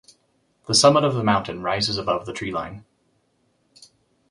The summit of the mountain rises above the tree line.